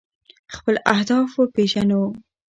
خپل اهداف وپیژنو.